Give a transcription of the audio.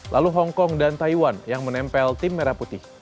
lalu hongkong dan taiwan yang menempel tim merah putih